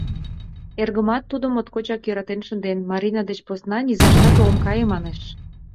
Эргымат тудым моткочак йӧратен шынден, Марина деч посна низаштат ом кае, манеш...